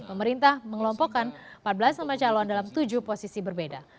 pemerintah mengelompokkan empat belas nama calon dalam tujuh posisi berbeda